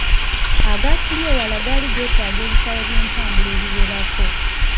Agatuli ewala gaali geetaaga ebisale by’entambula ebiwerako.